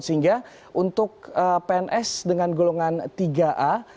sehingga untuk pns dengan golongan tiga a